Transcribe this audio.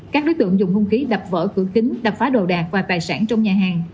các đối tượng dùng hung khí đập vỡ cửa kính đập phá đồ đạc và tài sản trong nhà hàng